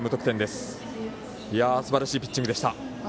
すばらしいピッチングでした。